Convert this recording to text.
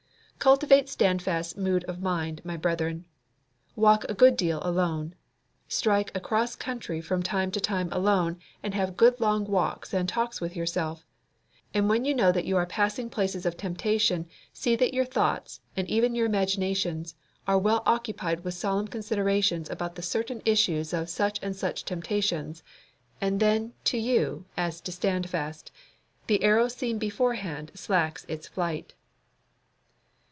Cultivate Standfast's mood of mind, my brethren. Walk a good deal alone. Strike across country from time to time alone and have good long walks and talks with yourself. And when you know that you are passing places of temptation see that your thoughts, and even your imaginations, are well occupied with solemn considerations about the certain issue of such and such temptations; and then, to you, as to Standfast, "The arrow seen beforehand slacks its flight."